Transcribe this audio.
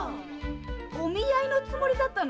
お見合いのつもりだったの？